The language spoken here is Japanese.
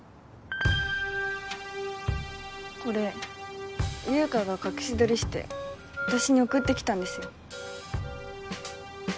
これ優香が隠し撮りして私に送ってきたんですよ。